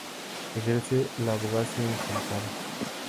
Ejerce la abogacía en Chantada.